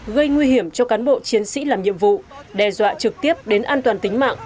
gây nguy hiểm cho cán bộ chiến sĩ làm nhiệm vụ đe dọa trực tiếp đến an toàn tính mạng